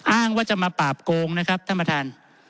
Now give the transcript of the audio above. อ้างว่าจะมาปราบโกงนะครับท่านประธาน